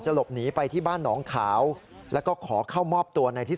หลบหนีไปที่บ้านหนองขาวแล้วก็ขอเข้ามอบตัวในที่